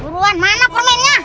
buruan mana permennya